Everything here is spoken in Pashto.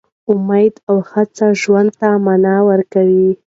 امید او هڅه ژوند ته مانا ورکوي.